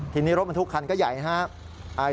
ทีนี้รถบรรทุกคันก็ใหญ่ครับ